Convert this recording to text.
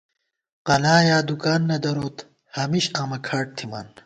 قلا یا دُکان نہ دروت، ہمیش آمہ کھاٹ تھِمان